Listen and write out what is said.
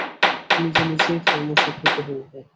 নিজে নিজেই ধর্ম শিখিতে হইবে।